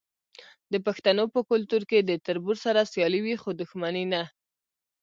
د پښتنو په کلتور کې د تربور سره سیالي وي خو دښمني نه.